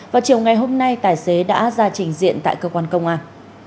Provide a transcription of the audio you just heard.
vào chiều ngày hôm nay tài xế đã ra trình diện tại cơ quan công an